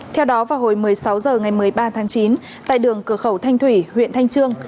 theo đó vào hồi một mươi sáu h ngày một mươi ba tháng chín tại đường cửa khẩu thanh thủy huyện thanh trương